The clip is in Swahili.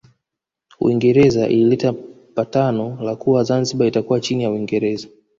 Uingereza ulileta patano la kuwa Zanzibar itakuwa chini ya Uingereza